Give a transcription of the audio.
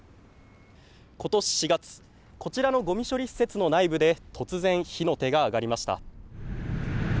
ことし４月、こちらのごみ処理施設の内部で、突然火の手が上がりました。